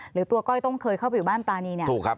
หรือตัวก้อยต้องเคยเข้าไปอยู่บ้านตานีเนี่ย